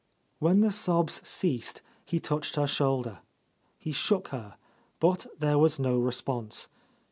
When the sobs ceased he touched her shoulder. He shook her, but there was no response.